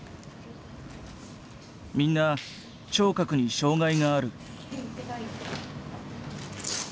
みんな聴覚に障害がある。